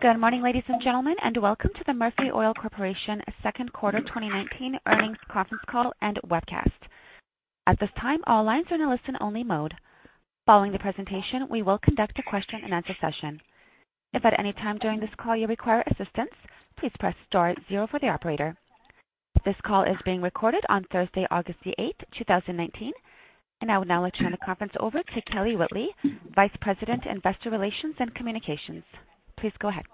Good morning, ladies and gentlemen, and welcome to the Murphy Oil Corporation second quarter 2019 earnings conference call and webcast. At this time, all lines are in a listen-only mode. Following the presentation, we will conduct a question-and-answer session. If at any time during this call you require assistance, please press star zero for the operator. This call is being recorded on Thursday, August the 8th, 2019. I will now turn the conference over to Kelly Whitley, Vice President, Investor Relations and Communications. Please go ahead.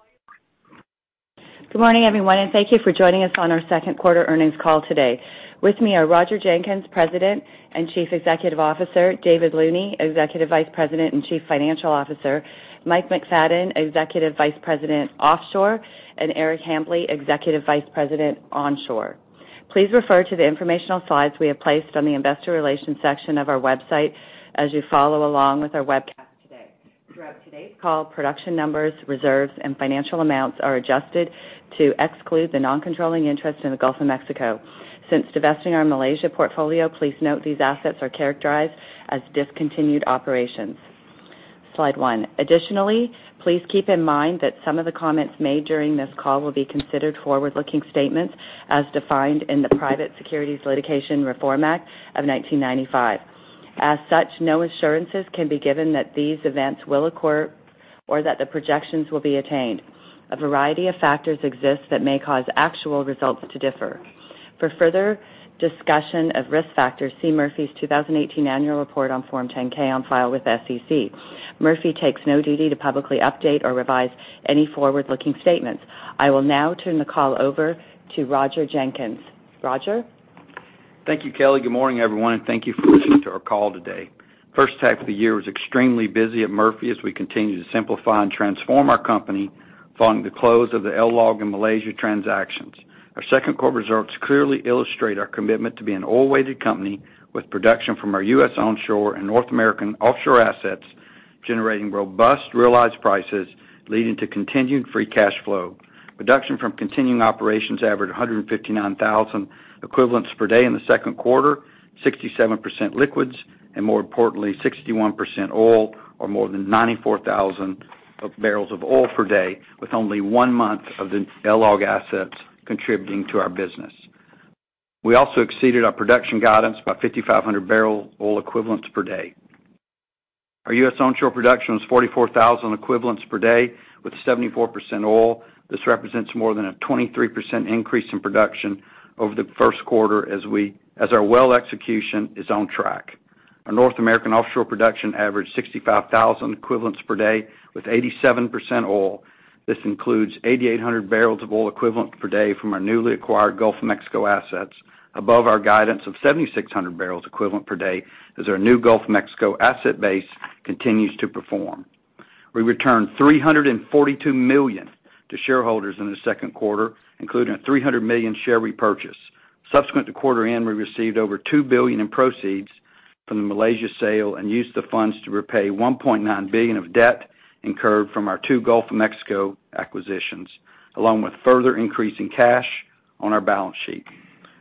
Good morning, everyone, and thank you for joining us on our second quarter earnings call today. With me are Roger Jenkins, President and Chief Executive Officer, David Looney, Executive Vice President and Chief Financial Officer, Mike McFadden, Executive Vice President, Offshore, and Eric Hambly, Executive Vice President, Onshore. Please refer to the informational slides we have placed on the investor relations section of our website as you follow along with our webcast today. Throughout today's call, production numbers, reserves, and financial amounts are adjusted to exclude the non-controlling interest in the Gulf of Mexico. Since divesting our Malaysia portfolio, please note these assets are characterized as discontinued operations. Slide one. Additionally, please keep in mind that some of the comments made during this call will be considered forward-looking statements as defined in the Private Securities Litigation Reform Act of 1995. As such, no assurances can be given that these events will occur or that the projections will be attained. A variety of factors exist that may cause actual results to differ. For further discussion of risk factors, see Murphy's 2018 annual report on Form 10-K on file with the SEC. Murphy takes no duty to publicly update or revise any forward-looking statements. I will now turn the call over to Roger Jenkins. Roger? Thank you, Kelly. Good morning, everyone, and thank you for listening to our call today. First half of the year was extremely busy at Murphy as we continue to simplify and transform our company following the close of the LLOG and Malaysia transactions. Our second quarter results clearly illustrate our commitment to be an oil-weighted company with production from our U.S. onshore and North American offshore assets, generating robust realized prices, leading to continued free cash flow. Production from continuing operations averaged 159,000 equivalents per day in the second quarter, 67% liquids, and more importantly, 61% oil, or more than 94,000 barrels of oil per day, with only one month of the LLOG assets contributing to our business. We also exceeded our production guidance by 5,500 barrel oil equivalents per day. Our U.S. onshore production was 44,000 equivalents per day with 74% oil. This represents more than a 23% increase in production over the first quarter as our well execution is on track. Our North American offshore production averaged 65,000 equivalents per day with 87% oil. This includes 8,800 barrels of oil equivalent per day from our newly acquired Gulf of Mexico assets above our guidance of 7,600 barrels equivalent per day as our new Gulf of Mexico asset base continues to perform. We returned $342 million to shareholders in the second quarter, including a $300 million share repurchase. Subsequent to quarter end, we received over $2 billion in proceeds from the Malaysia sale and used the funds to repay $1.9 billion of debt incurred from our two Gulf of Mexico acquisitions, along with further increase in cash on our balance sheet.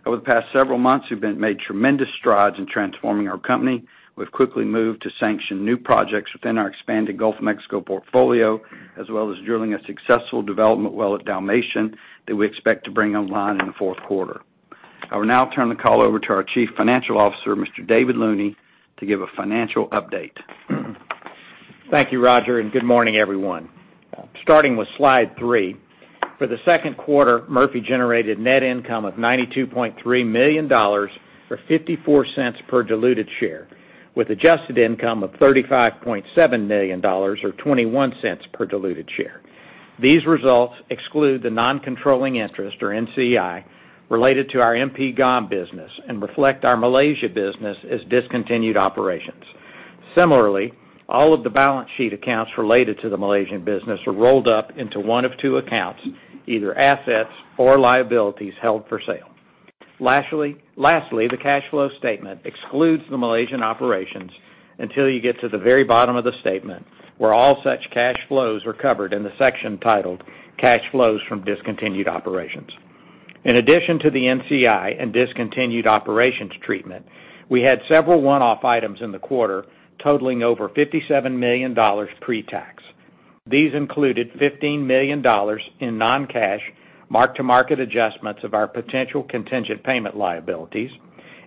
Over the past several months, we've made tremendous strides in transforming our company. We've quickly moved to sanction new projects within our expanded Gulf of Mexico portfolio, as well as drilling a successful development well at Dalmatian that we expect to bring online in the fourth quarter. I will now turn the call over to our Chief Financial Officer, Mr. David Looney, to give a financial update. Thank you, Roger, and good morning, everyone. Starting with slide three, for the second quarter, Murphy generated net income of $92.3 million, or $0.54 per diluted share, with adjusted income of $35.7 million, or $0.21 per diluted share. These results exclude the non-controlling interest, or NCI, related to our MP GOM business and reflect our Malaysia business as discontinued operations. Similarly, all of the balance sheet accounts related to the Malaysian business are rolled up into one of two accounts, either assets or liabilities held for sale. Lastly, the cash flow statement excludes the Malaysian operations until you get to the very bottom of the statement, where all such cash flows are covered in the section titled Cash Flows from Discontinued Operations. In addition to the NCI and discontinued operations treatment, we had several one-off items in the quarter totaling over $57 million pre-tax. These included $15 million in non-cash, mark-to-market adjustments of our potential contingent payment liabilities,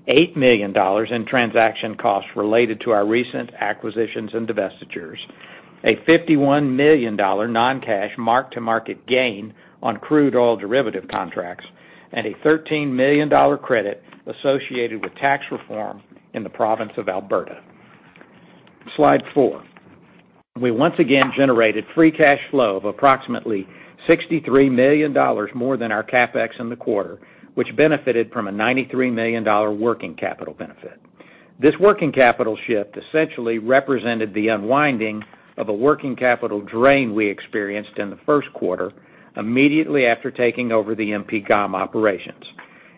$8 million in transaction costs related to our recent acquisitions and divestitures, a $51 million non-cash mark-to-market gain on crude oil derivative contracts, and a $13 million credit associated with tax reform in the province of Alberta. Slide four. We once again generated free cash flow of approximately $63 million more than our CapEx in the quarter, which benefited from a $93 million working capital benefit. This working capital shift essentially represented the unwinding of a working capital drain we experienced in the first quarter immediately after taking over the MP GOM operations.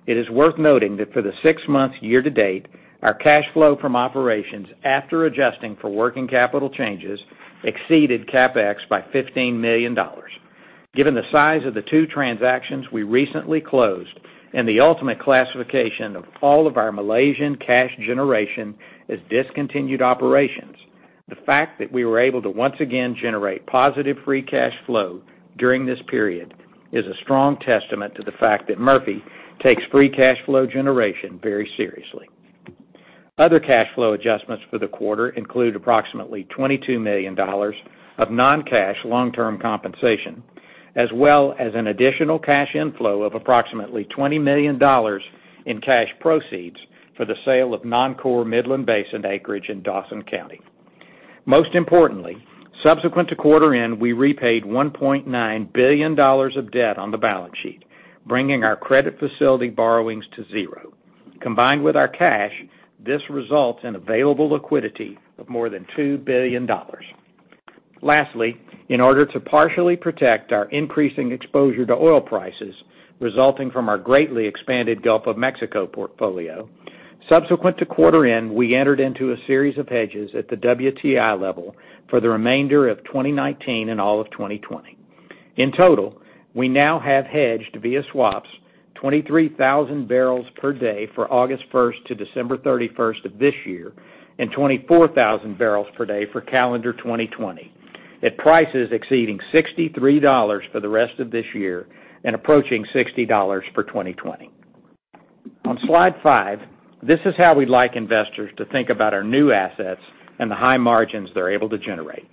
It is worth noting that for the six months year-to-date, our cash flow from operations after adjusting for working capital changes exceeded CapEx by $15 million. Given the size of the two transactions we recently closed and the ultimate classification of all of our Malaysian cash generation as discontinued operations, the fact that we were able to once again generate positive free cash flow during this period is a strong testament to the fact that Murphy takes free cash flow generation very seriously. Other cash flow adjustments for the quarter include approximately $22 million of non-cash long-term compensation, as well as an additional cash inflow of approximately $20 million in cash proceeds for the sale of non-core Midland Basin acreage in Dawson County. Most importantly, subsequent to quarter end, we repaid $1.9 billion of debt on the balance sheet, bringing our credit facility borrowings to zero. Combined with our cash, this results in available liquidity of more than $2 billion. Lastly, in order to partially protect our increasing exposure to oil prices resulting from our greatly expanded Gulf of Mexico portfolio, subsequent to quarter end, we entered into a series of hedges at the WTI level for the remainder of 2019 and all of 2020. In total, we now have hedged, via swaps, 23,000 barrels per day for August 1st to December 31st of this year, and 24,000 barrels per day for calendar 2020 at prices exceeding $63 for the rest of this year and approaching $60 for 2020. On slide five, this is how we'd like investors to think about our new assets and the high margins they're able to generate.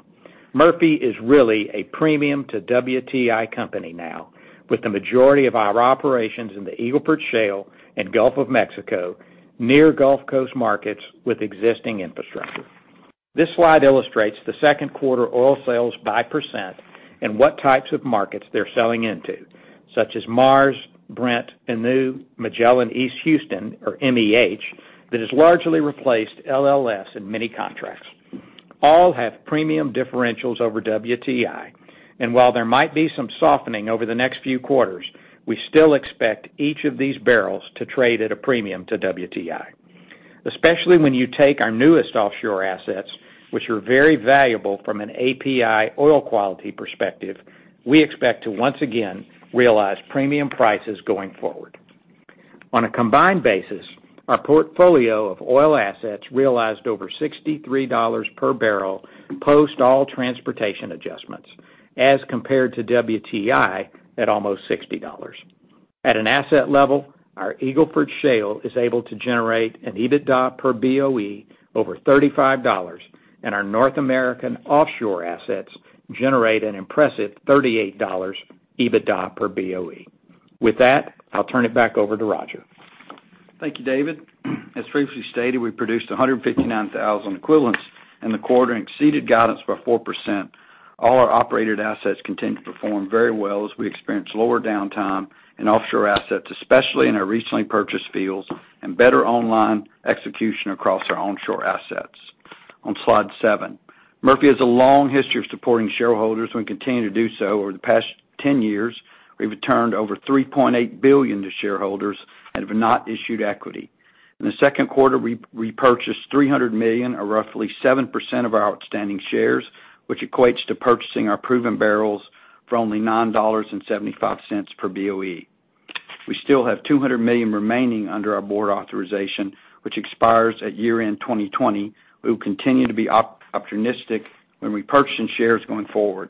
Murphy is really a premium-to-WTI company now, with the majority of our operations in the Eagle Ford Shale and Gulf of Mexico, near Gulf Coast markets with existing infrastructure. This slide illustrates the second quarter oil sales by % and what types of markets they're selling into, such as Mars, Brent, and new Magellan East Houston, or MEH, that has largely replaced LLS in many contracts. All have premium differentials over WTI. While there might be some softening over the next few quarters, we still expect each of these barrels to trade at a premium to WTI. Especially when you take our newest offshore assets, which are very valuable from an API oil quality perspective, we expect to once again realize premium prices going forward. On a combined basis, our portfolio of oil assets realized over $63 per barrel post all transportation adjustments as compared to WTI at almost $60. At an asset level, our Eagle Ford Shale is able to generate an EBITDA per BOE over $35, and our North American offshore assets generate an impressive $38 EBITDA per BOE. With that, I'll turn it back over to Roger. Thank you, David. As previously stated, we produced 159,000 equivalents in the quarter and exceeded guidance by 4%. All our operated assets continue to perform very well as we experience lower downtime in offshore assets, especially in our recently purchased fields, and better online execution across our onshore assets. On slide seven. Murphy has a long history of supporting shareholders and we continue to do so. Over the past 10 years, we've returned over $3.8 billion to shareholders and have not issued equity. In the second quarter, we repurchased $300 million or roughly 7% of our outstanding shares, which equates to purchasing our proven barrels for only $9.75 per BOE. We still have $200 million remaining under our board authorization, which expires at year-end 2020. We will continue to be opportunistic when repurchasing shares going forward.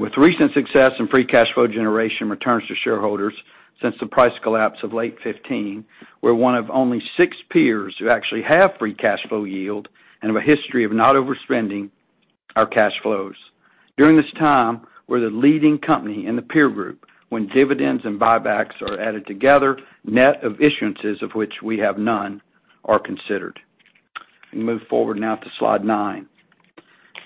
With recent success in free cash flow generation returns to shareholders since the price collapse of late 2015, we're one of only six peers who actually have free cash flow yield and have a history of not overspending our cash flows. During this time, we're the leading company in the peer group when dividends and buybacks are added together, net of issuances, of which we have none, are considered. We move forward now to slide nine.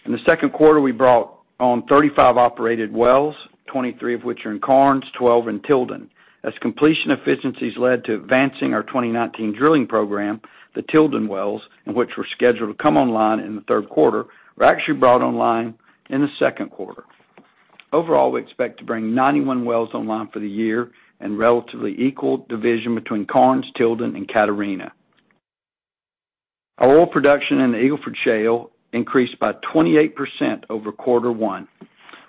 In the second quarter, we brought on 35 operated wells, 23 of which are in Karnes, 12 in Tilden. As completion efficiencies led to advancing our 2019 drilling program, the Tilden wells, which were scheduled to come online in the third quarter, were actually brought online in the second quarter. Overall, we expect to bring 91 wells online for the year in relatively equal division between Karnes, Tilden, and Catarina. Our oil production in the Eagle Ford Shale increased by 28% over quarter one,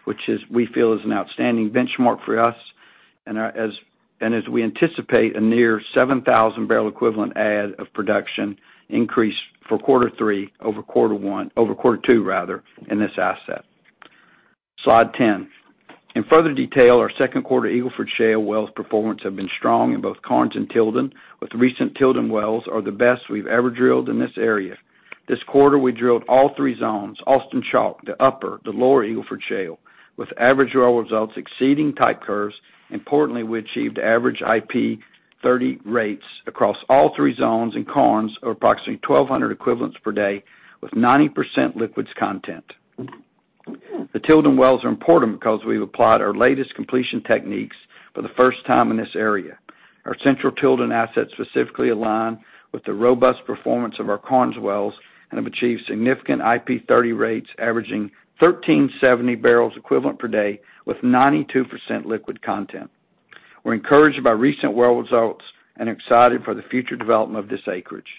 which we feel is an outstanding benchmark for us, and as we anticipate a near 7,000 barrel equivalent add of production increase for quarter three over quarter two, rather, in this asset. Slide 10. In further detail, our second quarter Eagle Ford Shale wells performance have been strong in both Karnes and Tilden, with recent Tilden wells are the best we've ever drilled in this area. This quarter, we drilled all 3 zones, Austin Chalk, the upper, the lower Eagle Ford Shale, with average well results exceeding type curves. Importantly, we achieved average IP 30 rates across all 3 zones in Karnes of approximately 1,200 equivalents per day with 90% liquids content. The Tilden wells are important because we've applied our latest completion techniques for the first time in this area. Our central Tilden assets specifically align with the robust performance of our Karnes wells and have achieved significant IP 30 rates averaging 1,370 barrels equivalent per day with 92% liquid content. We're encouraged by recent well results and excited for the future development of this acreage.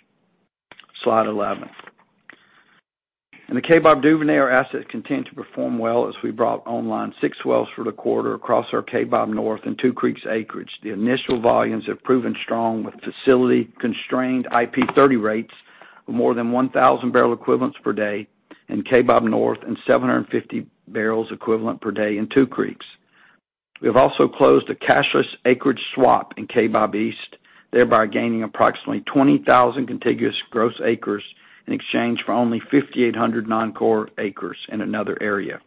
Slide 11. The Kaybob Duvernay assets continue to perform well as we brought online six wells for the quarter across our Kaybob North and Two Creeks acreage. The initial volumes have proven strong with facility-constrained IP 30 rates of more than 1,000 barrel equivalents per day in Kaybob North and 750 barrels equivalent per day in Two Creeks. We have also closed a cashless acreage swap in Kaybob East, thereby gaining approximately 20,000 contiguous gross acres in exchange for only 5,800 non-core acres in another area.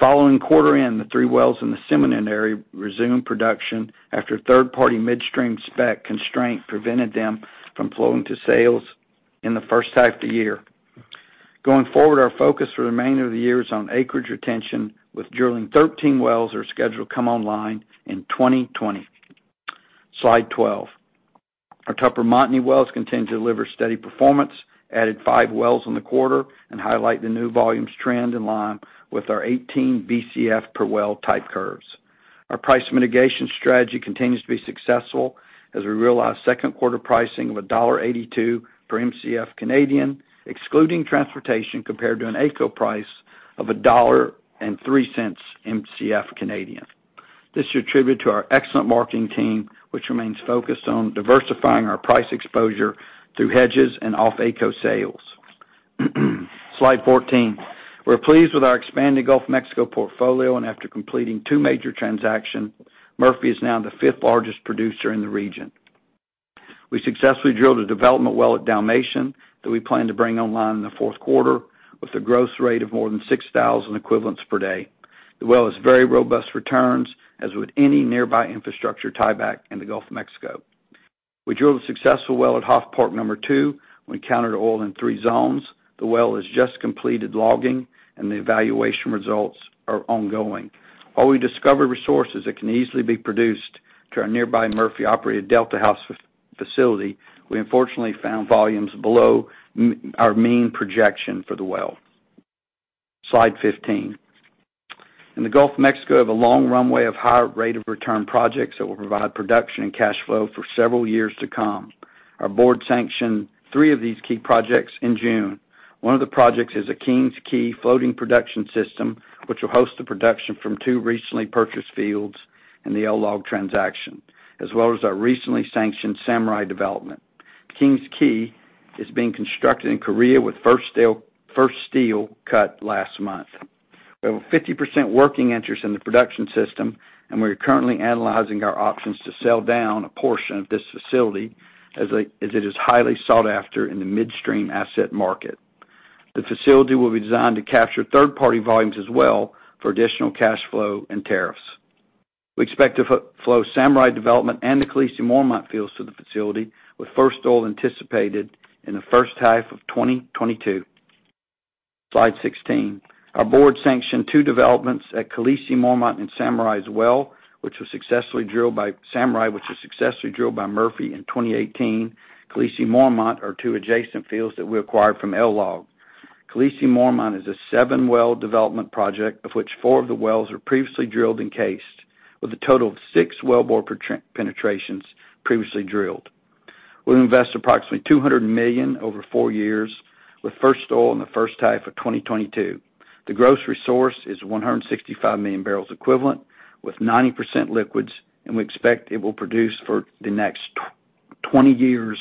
Following quarter end, the three wells in the Seminole area resumed production after a third-party midstream spec constraint prevented them from flowing to sales in the first half of the year. Going forward, our focus for the remainder of the year is on acreage retention with drilling 13 wells that are scheduled to come online in 2020. Slide 12. Our Tupper Montney wells continue to deliver steady performance, added five wells in the quarter, and highlight the new volumes trend in line with our 18 Bcf per well type curves. Our price mitigation strategy continues to be successful as we realize second quarter pricing of dollar 1.82 per Mcf, excluding transportation, compared to an AECO price of 1.03 dollar Mcf. This is attributed to our excellent marketing team, which remains focused on diversifying our price exposure through hedges and off-AECO sales. Slide 14. We're pleased with our expanded Gulf of Mexico portfolio, and after completing two major transactions, Murphy is now the fifth largest producer in the region. We successfully drilled a development well at Dalmatian that we plan to bring online in the fourth quarter with a gross rate of more than 6,000 equivalents per day. The well has very robust returns, as would any nearby infrastructure tieback in the Gulf of Mexico. We drilled a successful well at Hoff Park number 2. We encountered oil in three zones. The well has just completed logging, and the evaluation results are ongoing. While we discovered resources that can easily be produced to our nearby Murphy-operated Delta House facility, we unfortunately found volumes below our mean projection for the well. Slide 15. In the Gulf of Mexico, we have a long runway of high rate of return projects that will provide production and cash flow for several years to come. Our board sanctioned three of these key projects in June. One of the projects is a King's Quay floating production system, which will host the production from two recently purchased fields in the LLOG transaction, as well as our recently sanctioned Samurai development. King's Quay is being constructed in Korea with first steel cut last month. We have a 50% working interest in the production system. We are currently analyzing our options to sell down a portion of this facility as it is highly sought after in the midstream asset market. The facility will be designed to capture third-party volumes as well for additional cash flow and tariffs. We expect to flow Samurai development and the Khaleesi and Mormont fields to the facility, with first oil anticipated in the first half of 2022. Slide 16. Our board sanctioned two developments at Khaleesi, Mormont, and Samurai as well, which was successfully drilled by Murphy in 2018. Khaleesi and Mormont are 2 adjacent fields that we acquired from LLOG. Khaleesi and Mormont is a 7-well development project, of which 4 of the wells were previously drilled and cased, with a total of 6 wellbore penetrations previously drilled. We'll invest approximately $200 million over 4 years, with first oil in the first half of 2022. The gross resource is 165 million barrels equivalent, with 90% liquids, and we expect it will produce for the next 20 years,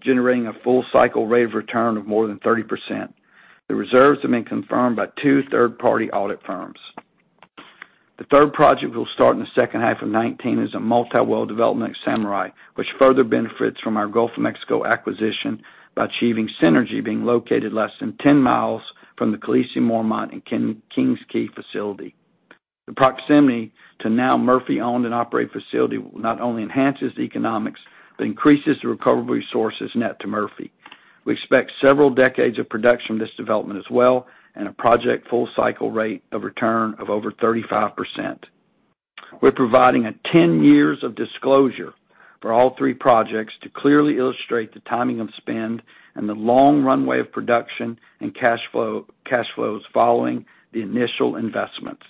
generating a full-cycle rate of return of more than 30%. The reserves have been confirmed by 2 third-party audit firms. The third project, which will start in the second half of 2019, is a multi-well development at Samurai, which further benefits from our Gulf of Mexico acquisition by achieving synergy, being located less than 10 miles from the Khaleesi and Mormont and King's Quay facility. The proximity to now Murphy owned and operated facility not only enhances the economics, but increases the recoverable resources net to Murphy. We expect several decades of production of this development as well, and a project full-cycle rate of return of over 35%. We're providing a 10 years of disclosure for all three projects to clearly illustrate the timing of spend and the long runway of production and cash flows following the initial investments.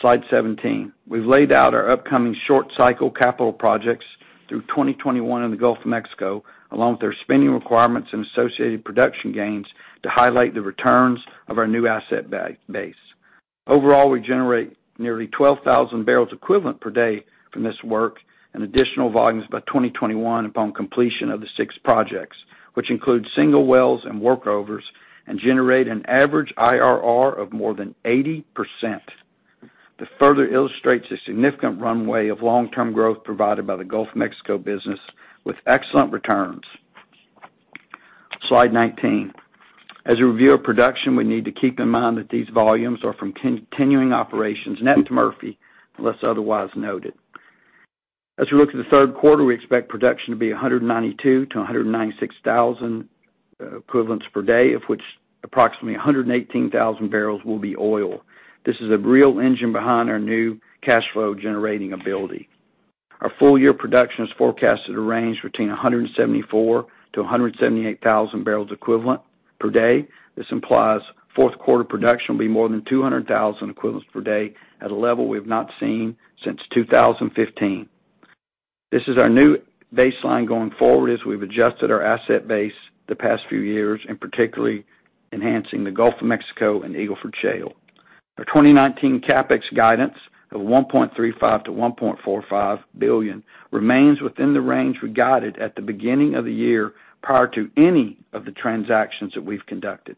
Slide 17. We've laid out our upcoming short-cycle capital projects through 2021 in the Gulf of Mexico, along with their spending requirements and associated production gains to highlight the returns of our new asset base. Overall, we generate nearly 12,000 barrels equivalent per day from this work and additional volumes by 2021 upon completion of the six projects, which include single wells and workovers and generate an average IRR of more than 80%. This further illustrates the significant runway of long-term growth provided by the Gulf of Mexico business with excellent returns. Slide 19. As we review our production, we need to keep in mind that these volumes are from continuing operations net to Murphy, unless otherwise noted. As we look to the third quarter, we expect production to be 192,000 equivalents per day-196,000 equivalents per day, of which approximately 118,000 barrels will be oil. This is a real engine behind our new cash flow generating ability. Our full-year production is forecasted to range between 174,000-178,000 barrels equivalent per day. This implies fourth quarter production will be more than 200,000 equivalents per day at a level we have not seen since 2015. This is our new baseline going forward as we've adjusted our asset base the past few years, and particularly enhancing the Gulf of Mexico and Eagle Ford Shale. Our 2019 CapEx guidance of $1.35 billion-$1.45 billion remains within the range we guided at the beginning of the year, prior to any of the transactions that we've conducted.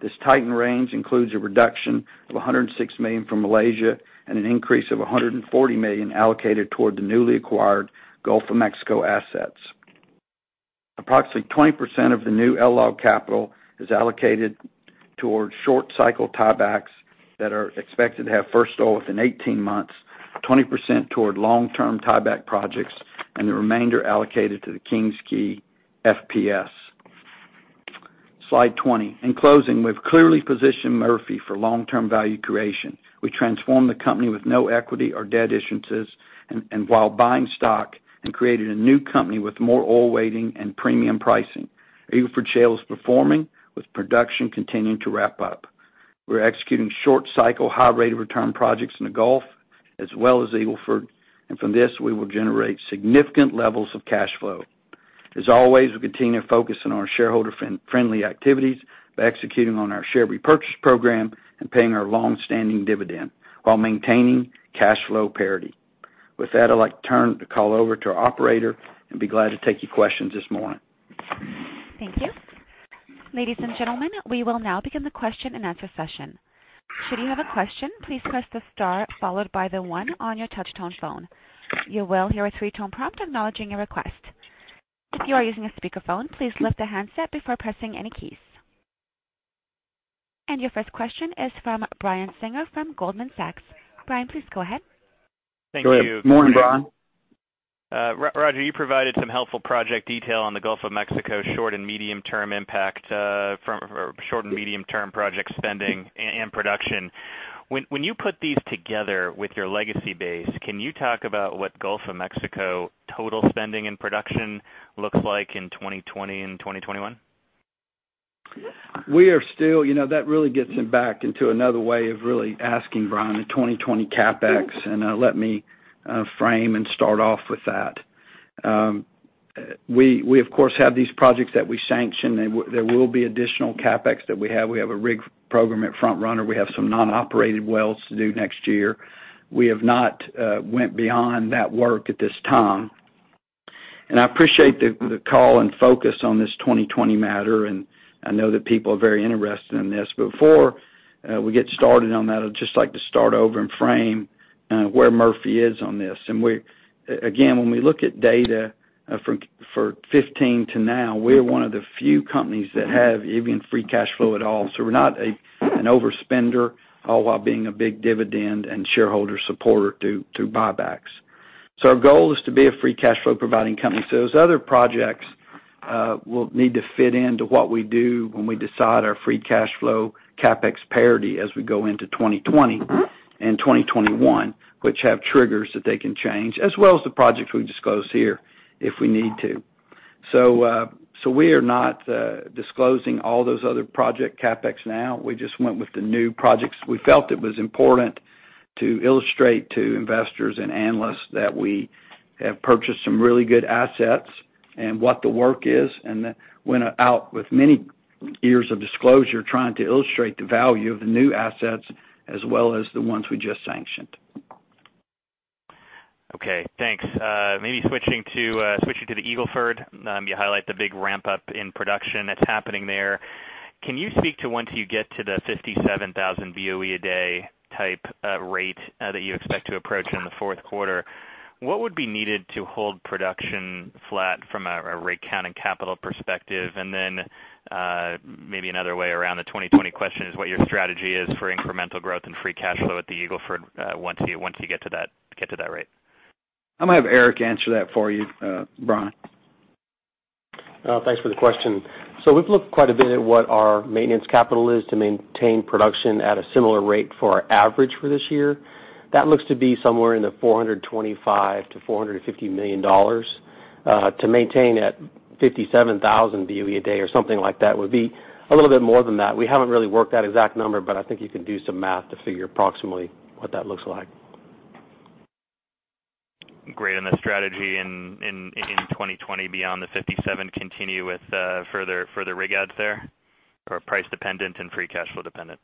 This tightened range includes a reduction of $106 million from Malaysia and an increase of $140 million allocated toward the newly acquired Gulf of Mexico assets. Approximately 20% of the new LLOG capital is allocated towards short cycle tiebacks that are expected to have first oil within 18 months, 20% toward long-term tieback projects, and the remainder allocated to the King's Quay FPS. Slide 20. In closing, we've clearly positioned Murphy for long-term value creation. We transformed the company with no equity or debt issuances, and while buying stock, and created a new company with more oil weighting and premium pricing. Eagle Ford Shale is performing with production continuing to ramp up. We're executing short cycle, high rate of return projects in the Gulf, as well as Eagle Ford, and from this, we will generate significant levels of cash flow. As always, we're continuing to focus on our shareholder-friendly activities by executing on our share repurchase program and paying our longstanding dividend while maintaining cash flow parity. With that, I'd like to turn the call over to our operator and be glad to take your questions this morning. Thank you. Ladies and gentlemen, we will now begin the question and answer session. Should you have a question, please press the star followed by the one on your touch-tone phone. You will hear a three-tone prompt acknowledging your request. If you are using a speakerphone, please lift the handset before pressing any keys. Your first question is from Brian Singer from Goldman Sachs. Brian, please go ahead. Go ahead. Thank you. Morning, Brian. Roger, you provided some helpful project detail on the Gulf of Mexico short and medium term impact from, or short and medium term project spending and production. When you put these together with your legacy base, can you talk about what Gulf of Mexico total spending and production looks like in 2020 and 2021? That really gets back into another way of really asking, Brian, the 2020 CapEx, and let me frame and start off with that. We of course have these projects that we sanctioned. There will be additional CapEx that we have. We have a rig program at Front Runner. We have some non-operated wells to do next year. We have not went beyond that work at this time. I appreciate the call and focus on this 2020 matter, and I know that people are very interested in this. Before we get started on that, I'd just like to start over and frame where Murphy is on this. We, again, when we look at data, for '15 to now, we're one of the few companies that have even free cash flow at all. We're not an overspender, all while being a big dividend and shareholder supporter through buybacks. Our goal is to be a free cash flow providing company. Those other projects will need to fit into what we do when we decide our free cash flow CapEx parity as we go into 2020 and 2021, which have triggers that they can change, as well as the projects we disclose here if we need to. We are not disclosing all those other project CapEx now. We just went with the new projects. We felt it was important to illustrate to investors and analysts that we have purchased some really good assets and what the work is, and then went out with many years of disclosure trying to illustrate the value of the new assets as well as the ones we just sanctioned. Okay, thanks. Maybe switching to the Eagle Ford. You highlight the big ramp-up in production that's happening there. Can you speak to once you get to the 57,000 BOE a day type rate that you expect to approach in the fourth quarter, what would be needed to hold production flat from a rig count and capital perspective? Then, maybe another way around the 2020 question is what your strategy is for incremental growth and free cash flow at the Eagle Ford once you get to that rate. I'm gonna have Eric answer that for you, Brian. Thanks for the question. We've looked quite a bit at what our maintenance capital is to maintain production at a similar rate for our average for this year. That looks to be somewhere in the $425 million to $450 million. To maintain at 57,000 BOE a day or something like that would be a little bit more than that. We haven't really worked that exact number, but I think you can do some math to figure approximately what that looks like. Great. The strategy in 2020 beyond the 57, continue with further rig outs there? Price dependent and free cash flow dependent?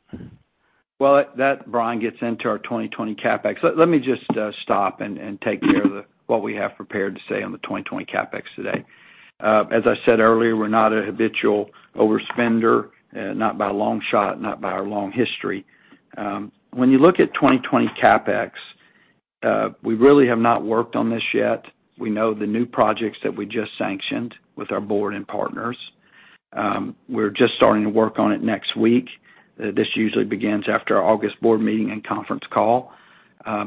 Well, that, Brian, gets into our 2020 CapEx. Let me just stop and take care of what we have prepared to say on the 2020 CapEx today. As I said earlier, we're not a habitual overspender, not by a long shot, not by our long history. When you look at 2020 CapEx, we really have not worked on this yet. We know the new projects that we just sanctioned with our board and partners. We're just starting to work on it next week. This usually begins after our August board meeting and conference call.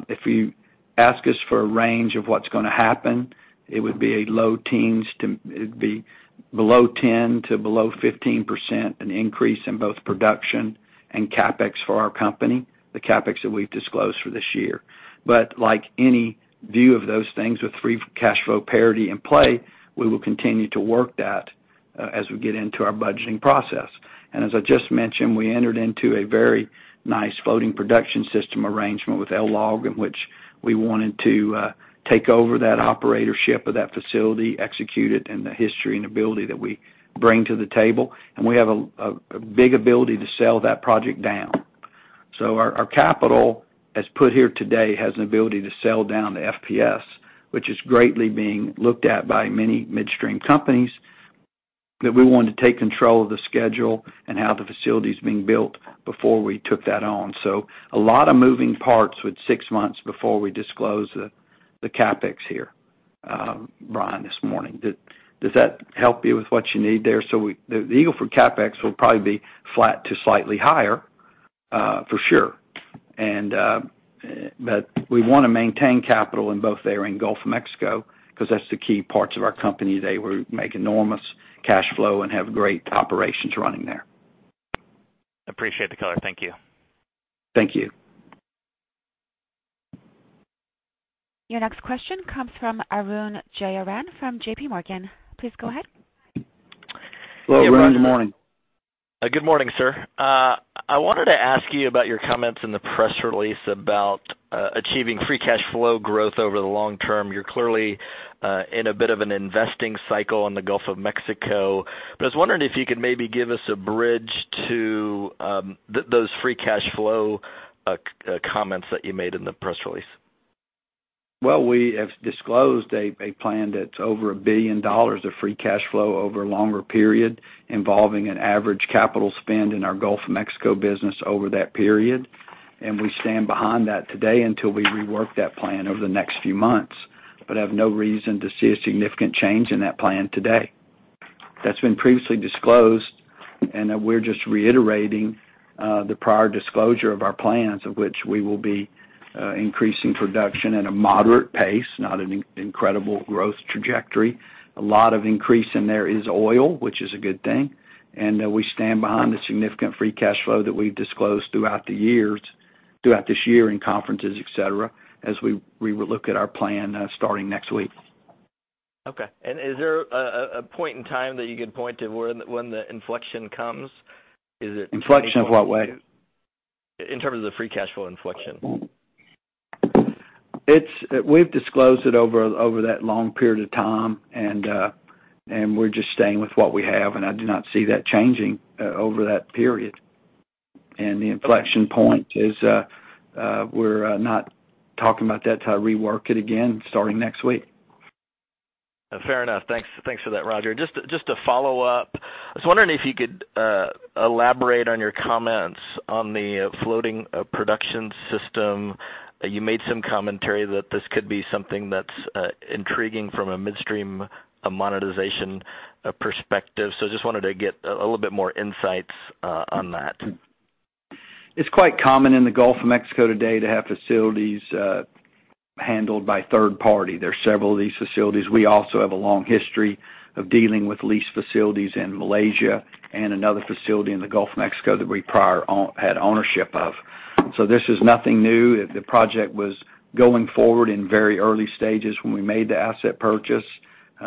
If you ask us for a range of what's gonna happen, it would be a low teens. It'd be below 10% to below 15% an increase in both production and CapEx for our company, the CapEx that we've disclosed for this year. Like any view of those things with free cash flow parity in play, we will continue to work that as we get into our budgeting process. As I just mentioned, we entered into a very nice floating production system arrangement with LLOG, in which we wanted to take over that operatorship of that facility, execute it, and the history and ability that we bring to the table. We have a big ability to sell that project down. Our capital, as put here today, has an ability to sell down to FPS, which is greatly being looked at by many midstream companies, that we want to take control of the schedule and how the facility's being built before we took that on. A lot of moving parts with six months before we disclose the CapEx here, Brian, this morning. Does that help you with what you need there? The Eagle Ford CapEx will probably be flat to slightly higher, for sure. We want to maintain capital in both there and Gulf of Mexico, because that's the key parts of our company. They make enormous cash flow and have great operations running there. Appreciate the color. Thank you. Thank you. Your next question comes from Arun Jayaram from JPMorgan. Please go ahead. Hello, Arun. Good morning. Good morning, sir. I wanted to ask you about your comments in the press release about achieving free cash flow growth over the long term. You're clearly in a bit of an investing cycle in the Gulf of Mexico, but I was wondering if you could maybe give us a bridge to those free cash flow comments that you made in the press release. Well, we have disclosed a plan that's over $1 billion of free cash flow over a longer period, involving an average capital spend in our Gulf of Mexico business over that period. We stand behind that today until we rework that plan over the next few months, but have no reason to see a significant change in that plan today. That's been previously disclosed, and we're just reiterating the prior disclosure of our plans, of which we will be increasing production at a moderate pace, not an incredible growth trajectory. A lot of increase in there is oil, which is a good thing. We stand behind the significant free cash flow that we've disclosed throughout the years, throughout this year in conferences, et cetera, as we look at our plan starting next week. Okay. Is there a point in time that you could point to when the inflection comes? Inflection of what way? In terms of the free cash flow inflection. We've disclosed it over that long period of time, and we're just staying with what we have, and I do not see that changing over that period. The inflection point is, we're not talking about that till I rework it again starting next week. Fair enough. Thanks for that, Roger. Just to follow up, I was wondering if you could elaborate on your comments on the floating production system. You made some commentary that this could be something that's intriguing from a midstream monetization perspective. Just wanted to get a little bit more insights on that. It's quite common in the Gulf of Mexico today to have facilities handled by third party. There's several of these facilities. We also have a long history of dealing with lease facilities in Malaysia and another facility in the Gulf of Mexico that we prior had ownership of. This is nothing new. The project was going forward in very early stages when we made the asset purchase.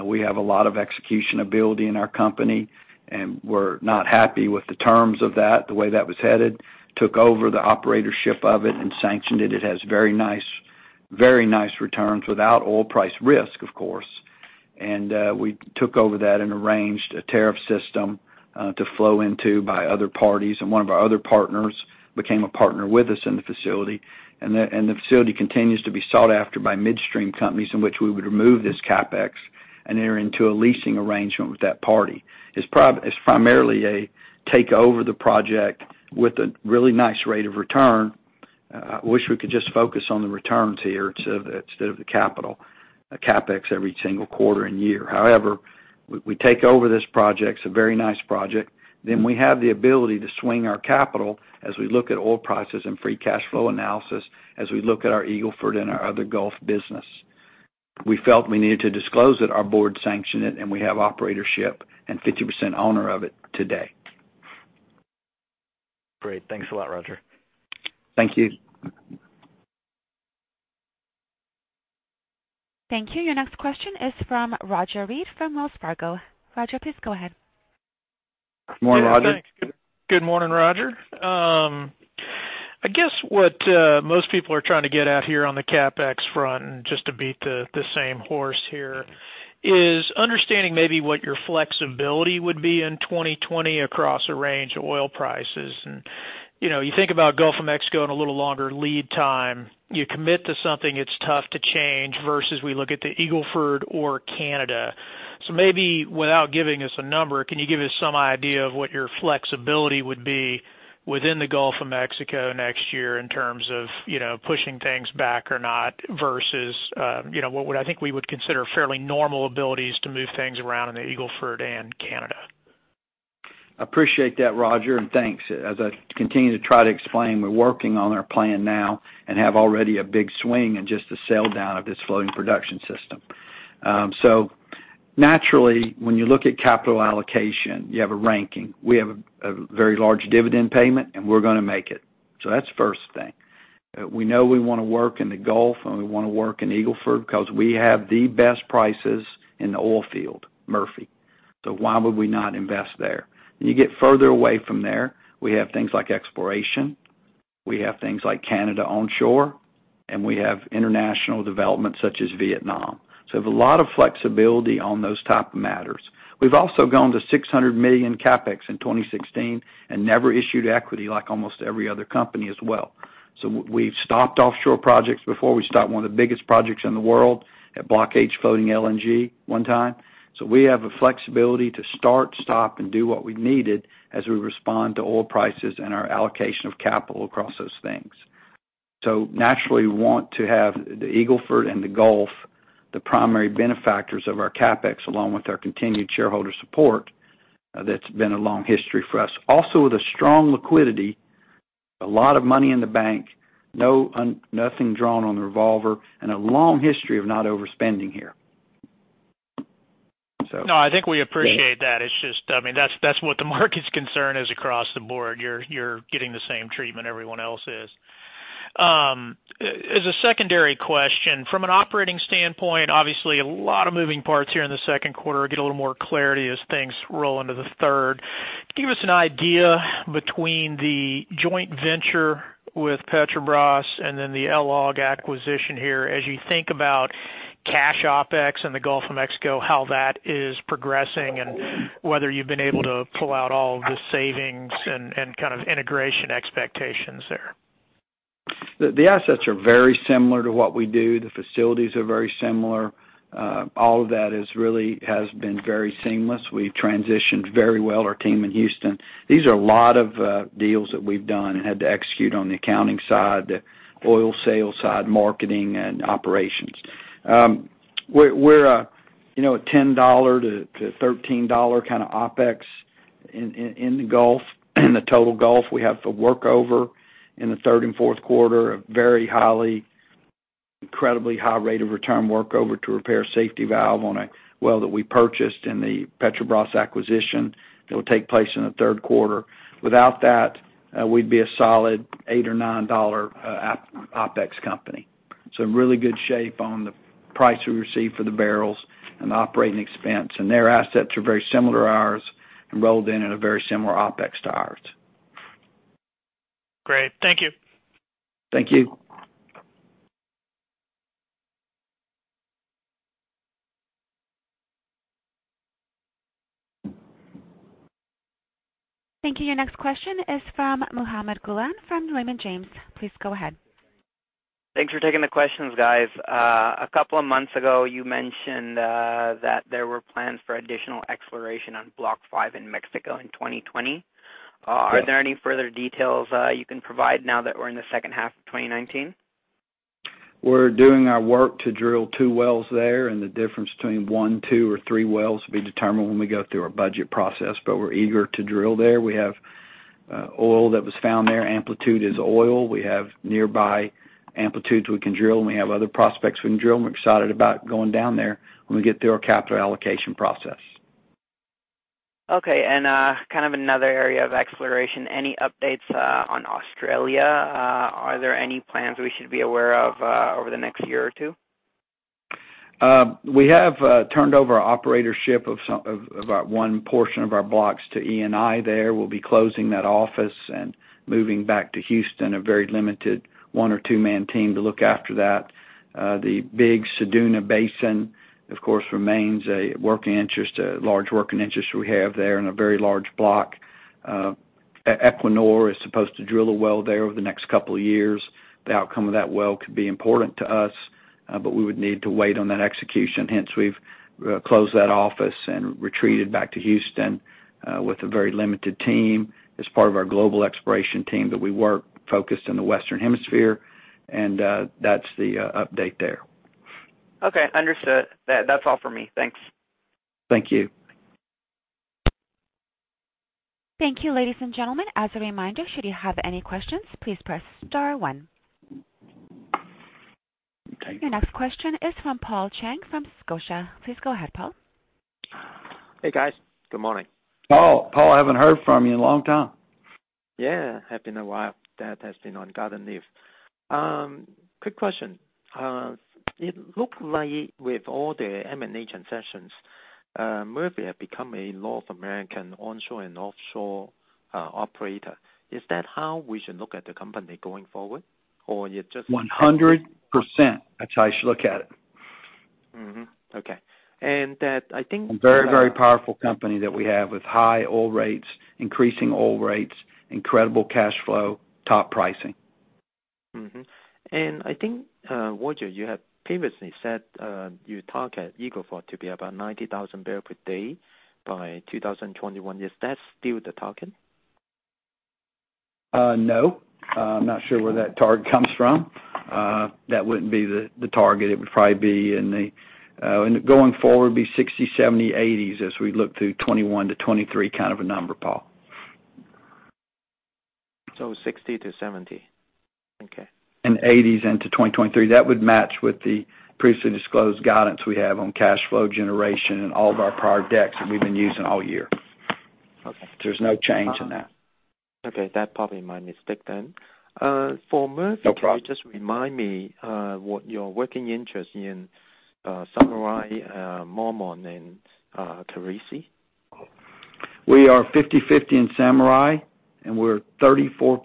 We have a lot of execution ability in our company, and were not happy with the terms of that, the way that was headed. Took over the operatorship of it and sanctioned it. It has very nice returns without oil price risk, of course. We took over that and arranged a tariff system to flow into by other parties, and one of our other partners became a partner with us in the facility. The facility continues to be sought after by midstream companies in which we would remove this CapEx and enter into a leasing arrangement with that party. It's primarily a take over the project with a really nice rate of return. I wish we could just focus on the returns here instead of the capital, CapEx every single quarter and year. However, we take over this project, it's a very nice project. We have the ability to swing our capital as we look at oil prices and free cash flow analysis, as we look at our Eagle Ford and our other Gulf business. We felt we needed to disclose it, our board sanctioned it, and we have operatorship and 50% owner of it today. Great. Thanks a lot, Roger. Thank you. Thank you. Your next question is from Roger Read from Wells Fargo. Roger, please go ahead. Morning, Roger. Yeah, thanks. Good morning, Roger. I guess what most people are trying to get at here on the CapEx front, and just to beat the same horse here, is understanding maybe what your flexibility would be in 2020 across a range of oil prices. You think about Gulf of Mexico and a little longer lead time. You commit to something, it's tough to change, versus we look at the Eagle Ford or Canada. Maybe without giving us a number, can you give us some idea of what your flexibility would be within the Gulf of Mexico next year in terms of pushing things back or not, versus what I think we would consider fairly normal abilities to move things around in the Eagle Ford and Canada? Appreciate that, Roger, and thanks. As I continue to try to explain, we're working on our plan now and have already a big swing in just the sell down of this floating production system. Naturally, when you look at capital allocation, you have a ranking. We have a very large dividend payment and we're going to make it. That's first thing. We know we want to work in the Gulf, and we want to work in Eagle Ford because we have the best prices in the oil field, Murphy. Why would we not invest there? You get further away from there, we have things like exploration, we have things like Canada onshore, and we have international development such as Vietnam. We have a lot of flexibility on those type of matters. We've also gone to $600 million CapEx in 2016 and never issued equity like almost every other company as well. We've stopped offshore projects before. We stopped one of the biggest projects in the world at Block H floating LNG one time. We have the flexibility to start, stop, and do what we needed as we respond to oil prices and our allocation of capital across those things. Naturally, we want to have the Eagle Ford and the Gulf, the primary benefactors of our CapEx, along with our continued shareholder support, that's been a long history for us. Also with a strong liquidity, a lot of money in the bank, nothing drawn on the revolver, and a long history of not overspending here. No, I think we appreciate that. That's what the market's concern is across the board. You're getting the same treatment everyone else is. As a secondary question, from an operating standpoint, obviously a lot of moving parts here in the second quarter. Get a little more clarity as things roll into the third. Give us an idea between the joint venture with Petrobras and then the LLOG acquisition here. As you think about cash OpEx in the Gulf of Mexico, how that is progressing and whether you've been able to pull out all of the savings and integration expectations there. The assets are very similar to what we do. The facilities are very similar. All of that really has been very seamless. We've transitioned very well our team in Houston. These are a lot of deals that we've done and had to execute on the accounting side, the oil sales side, marketing, and operations. We're a $10-$13 kind of OpEx in the Gulf, in the total Gulf. We have the workover in the third and fourth quarter, a incredibly high rate of return workover to repair a safety valve on a well that we purchased in the Petrobras acquisition that will take place in the third quarter. Without that, we'd be a solid $8 or $9 OpEx company. Really good shape on the price we received for the barrels and the operating expense. Their assets are very similar to ours and rolled in at a very similar OpEx to ours. Great. Thank you. Thank you. Thank you. Your next question is from Muhammed Ghulam from Raymond James. Please go ahead. Thanks for taking the questions, guys. A couple of months ago, you mentioned that there were plans for additional exploration on Block 5 in Mexico in 2020. Yes. Are there any further details you can provide now that we're in the second half of 2019? We're doing our work to drill two wells there, and the difference between one, two, or three wells will be determined when we go through our budget process, but we're eager to drill there. We have oil that was found there. Amplitude is oil. We have nearby amplitudes we can drill, and we have other prospects we can drill, and we're excited about going down there when we get through our capital allocation process. Okay. Another area of exploration. Any updates on Australia? Are there any plans we should be aware of over the next year or two? We have turned over operatorship of one portion of our blocks to Eni there. We'll be closing that office and moving back to Houston, a very limited one or two-man team to look after that. The big Ceduna Basin, of course, remains a large working interest we have there in a very large block. Equinor is supposed to drill a well there over the next couple of years. The outcome of that well could be important to us, but we would need to wait on that execution. Hence, we've closed that office and retreated back to Houston, with a very limited team as part of our global exploration team that we work focused in the Western Hemisphere. That's the update there. Okay, understood. That's all for me. Thanks. Thank you. Thank you, ladies and gentlemen. As a reminder, should you have any questions, please press star one. Okay. Your next question is from Paul Cheng, from Scotiabank. Please go ahead, Paul. Hey, guys. Good morning. Paul. Paul, I haven't heard from you in a long time. Yeah, have been a while. David has been on garden leave. Quick question. It looked like with all the M&A transactions, Murphy had become a North American onshore and offshore operator. Is that how we should look at the company going forward, or you're just? 100%. That's how you should look at it. Mm-hmm. Okay. A very powerful company that we have with high oil rates, increasing oil rates, incredible cash flow, top pricing. I think, Roger, you had previously said, you target Eagle Ford to be about 90,000 barrel per day by 2021. Is that still the target? No. I'm not sure where that target comes from. That wouldn't be the target. It would probably, going forward, be 60, 70, 80s as we look through 2021 to 2023 kind of a number, Paul. 60 to 70. Okay. 80s into 2023. That would match with the previously disclosed guidance we have on cash flow generation and all of our prior decks that we've been using all year. Okay. There's no change in that. Okay. That probably my mistake then. No problem. For Murphy, just remind me what your working interest in Samurai, Mormont, and Khaleesi? We are 50/50 in Samurai, and we're 34%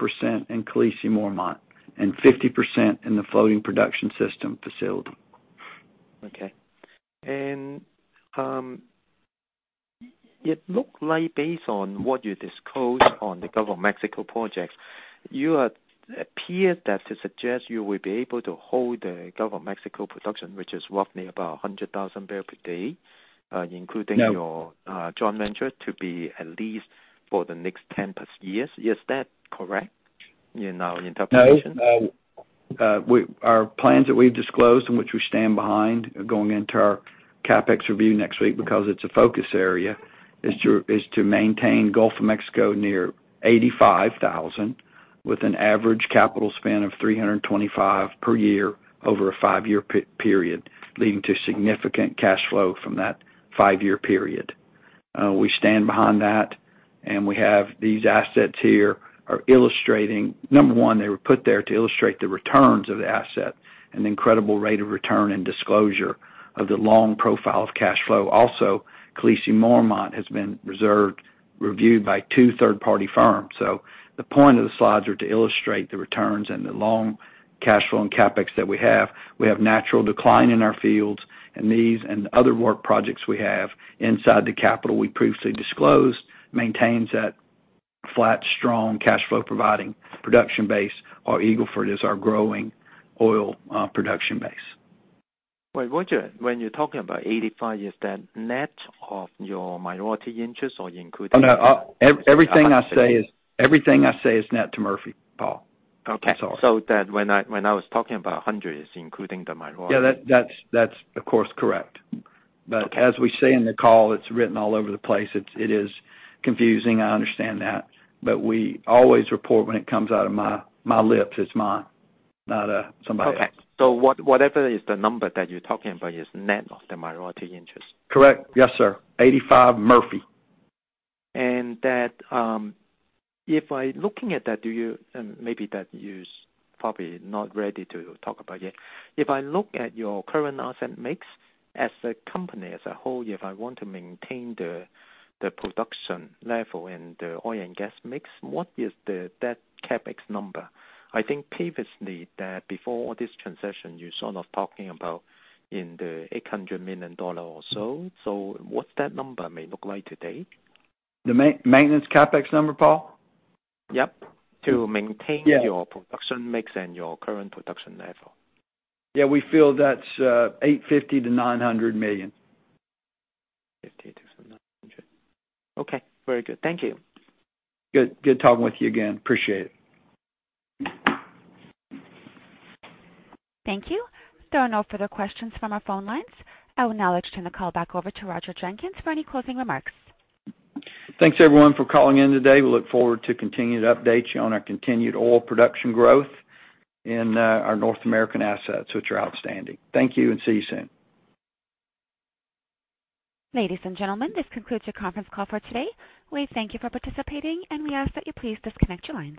in Khaleesi, Mormont, and 50% in the floating production system facility. Okay. It look like based on what you disclosed on the Gulf of Mexico projects, you appear to suggest you will be able to hold the Gulf of Mexico production, which is roughly about 100,000 barrel per day, including. No your joint venture to be at least for the next 10 plus years. Is that correct in our interpretation? No. Our plans that we've disclosed and which we stand behind are going into our CapEx review next week because it's a focus area, is to maintain Gulf of Mexico near 85,000 with an average capital spend of $325 per year over a five-year period, leading to significant cash flow from that five-year period. We stand behind that, we have these assets here are illustrating, number 1, they were put there to illustrate the returns of the asset and the incredible rate of return and disclosure of the long profile of cash flow. Also, Khaleesi Mormont has been reserved, reviewed by two third-party firms. The point of the slides are to illustrate the returns and the long cash flow and CapEx that we have. We have natural decline in our fields and these and other work projects we have inside the capital we previously disclosed maintains that flat, strong cash flow providing production base, while Eagle Ford is our growing oil production base. Wait, Roger, when you're talking about $85, is that net of your minority interest? Oh, no. Everything I say is net to Murphy, Paul. Okay. That's all. When I was talking about 100 is including the minority. Yeah. That's of course correct. Okay. As we say in the call, it's written all over the place. It is confusing, I understand that, but we always report when it comes out of my lips, it's mine, not somebody else. Okay. Whatever is the number that you're talking about is net of the minority interest. Correct. Yes, sir. 85 Murphy. That, if I looking at that, Maybe that you's probably not ready to talk about yet. If I look at your current asset mix as a company, as a whole, if I want to maintain the production level and the oil and gas mix, what is that CapEx number? I think previously that before this concession, you sort of talking about in the $800 million or so. What's that number may look like today? The maintenance CapEx number, Paul? Yep. Yeah your production mix and your current production level. Yeah, we feel that's $850 million-$900 million. Okay, very good. Thank you. Good. Good talking with you again. Appreciate it. Thank you. There are no further questions from our phone lines. I will now turn the call back over to Roger Jenkins for any closing remarks. Thanks everyone for calling in today. We look forward to continuing to update you on our continued oil production growth in our North American assets, which are outstanding. Thank you, and see you soon. Ladies and gentlemen, this concludes your conference call for today. We thank you for participating, and we ask that you please disconnect your lines.